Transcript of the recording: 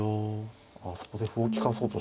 あそこで歩を利かそうとしてる。